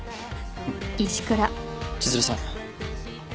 千鶴さん。